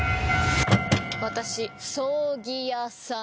私葬儀屋さん。